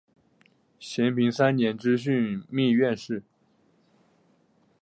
咸平三年知枢密院事。